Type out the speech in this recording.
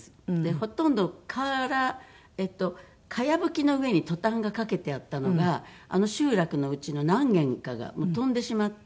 ほとんど瓦茅葺きの上にトタンがかけてあったのがあの集落のうちの何軒かがもう飛んでしまって。